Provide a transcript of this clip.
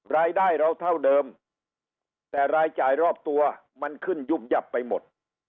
รายได้เราเท่าเดิมแต่รายจ่ายรอบตัวมันขึ้นยุบยับไปหมด